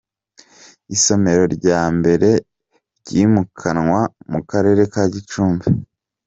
Isomero rya mbere ryimukanwa mu karere ka Gicumbi